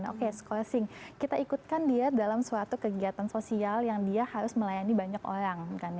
oke scoasing kita ikutkan dia dalam suatu kegiatan sosial yang dia harus melayani banyak orang